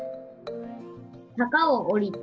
坂を下りて。